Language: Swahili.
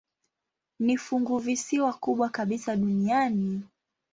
Ni funguvisiwa kubwa kabisa duniani.